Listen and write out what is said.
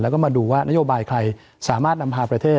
แล้วก็มาดูว่านโยบายใครสามารถนำพาประเทศ